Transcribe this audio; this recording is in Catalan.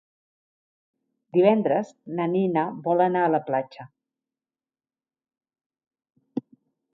Divendres na Nina vol anar a la platja.